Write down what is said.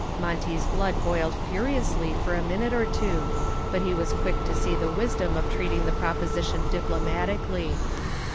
Monty's blood boiled furiously for a minute or two, but he was quick to see the wisdom of treating the proposition diplomatically.